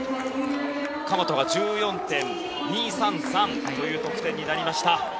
神本は１４．２３３という得点になりました。